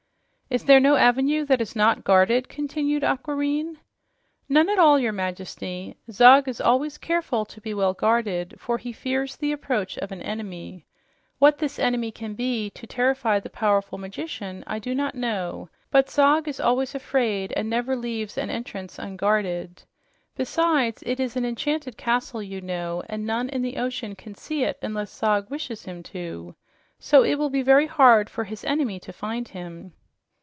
"Is there no avenue that is not guarded?" continued Aquareine. "None at all, your Majesty. Zog is always careful to be well guarded, for he fears the approach of an enemy. What this enemy can be to terrify the great magician I do not know, but Zog is always afraid and never leaves an entrance unguarded. Besides, it is an enchanted castle, you know, and none in the ocean can see it unless Zog wishes him to. So it will be very hard for his enemy to find him."